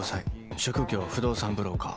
職業不動産ブローカー。